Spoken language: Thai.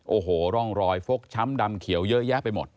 โอ้โหร่องรอยฟกช้ำดำเขียวเยอะแยะไปหมด